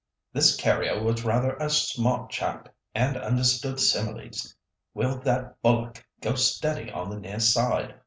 This carrier was rather a smart chap, and understood similes. 'Will that bullock go steady on the near side?